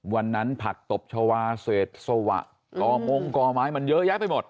วันนั้นผักตบชาวาเศรษฐวะกอมองกอไม้มันเยอะแยะไปหมด